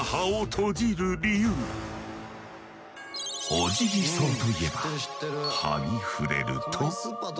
オジギソウといえば葉に触れると。